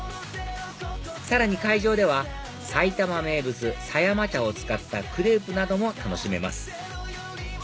さらに会場では埼玉名物狭山茶を使ったクレープなども楽しめます